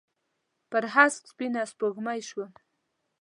پر هسک سپینه سپوږمۍ شوم